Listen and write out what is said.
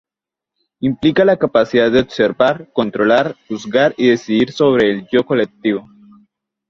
Implica la capacidad de observar, controlar, juzgar y decidir sobre el yo colectivo.